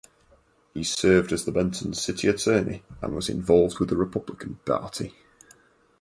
He served as the Benton city attorney and was involved with the Republican Party.